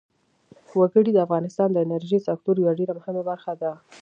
وګړي د افغانستان د انرژۍ سکتور یوه ډېره مهمه برخه ده.